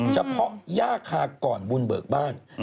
เฉพาะหญ้าคากก่อนวุลเบิกบ้าน